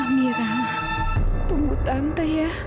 amira punggut tante ya